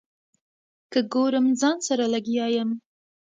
که ګورم ځان سره لګیا یم.